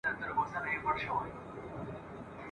نوم یې ولي لا اشرف المخلوقات دی؟ ..